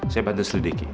saya bantu selidiki